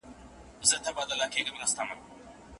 س۔۔۔ ستا په حیث انسان د پښتانه قام متعلق څه نظر دی؟